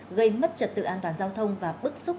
gây mất trật tự an toàn giao thông và bức xúc